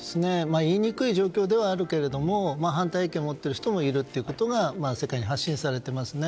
言いにくい状況ではあるけども反対意見を持っている人もいるということが世界に発信されていますね。